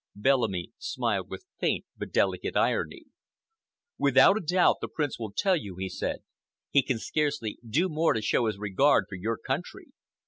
Bellamy smiled with faint but delicate irony. "Without a doubt, the Prince will tell you," he said. "He can scarcely do more to show his regard for your country.